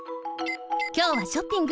きょうはショッピング。